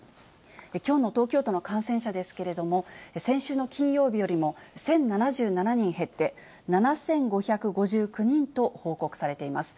きょうの東京都の感染者ですけれども、先週の金曜日よりも１０７７人減って、７５５９人と報告されています。